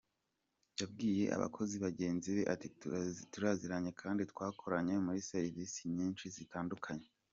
Yabwiye abakozi bagenzi be ati “Turaziranye kandi twakoranye muri serivisi nyinshi zitandukanye.